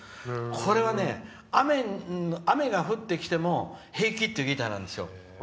これはね、雨が降ってきても平気っていうギターなんですよ。